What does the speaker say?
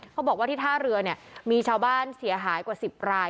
เขาบอกว่าที่ท่าเรือเนี่ยมีชาวบ้านเสียหายกว่า๑๐ราย